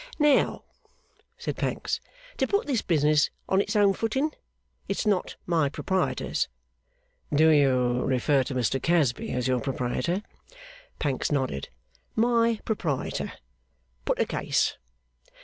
'Now,' said Pancks, 'to put this business on its own footing, it's not my proprietor's.' 'Do you refer to Mr Casby as your proprietor?' Pancks nodded. 'My proprietor. Put a case.